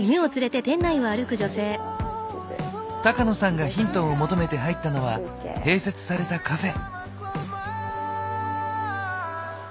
高野さんがヒントを求めて入ったのは併設されたカフェ。